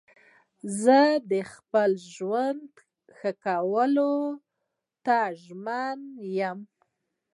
زه د خپل ژوند ښه کولو ته ژمن یم.